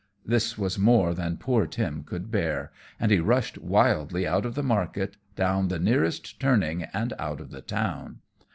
This was more than poor Tim could bear, and he rushed wildly out of the market, down the nearest turning, and out of the town.